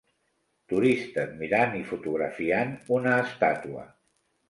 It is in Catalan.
Turistes mirant i fotografiant una estàtua.